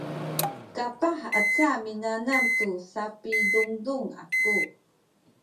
kapah aca minanam tu sapidundun aku